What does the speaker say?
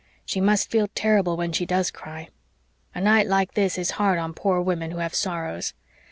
She must feel terrible when she does cry. A night like this is hard on poor women who have sorrows.